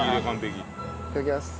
いただきます。